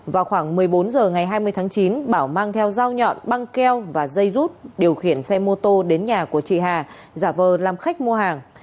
vào khoảng một mươi bốn h ngày hai mươi tháng chín bảo mang theo dao nhọn băng keo và dây rút điều khiển xe mô tô đến nhà của chị hà giả vờ làm khách mua hàng